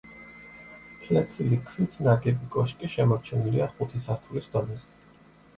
ფლეთილი ქვით ნაგები კოშკი შემორჩენილია ხუთი სართულის დონეზე.